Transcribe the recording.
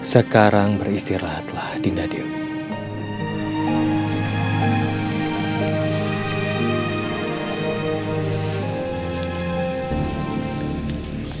sekarang beristirahatlah dinda dewi